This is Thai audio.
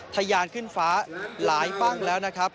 ทะยานขึ้นฟ้าหลายปั้งแล้วนะครับ